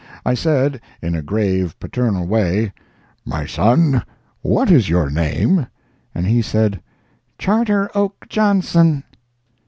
I said, in a grave, paternal way, "My son, what is your name?" And he said, "Charter Oak Johnson."